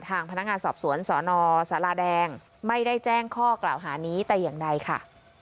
ทางพนักงานสอบสวนสนสาราแดงไม่ได้แจ้งข้อกล่าวหานี้แต่อย่างใดค่ะ